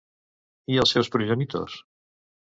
I els seus progenitors?